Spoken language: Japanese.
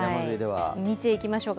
見ていきましょうか。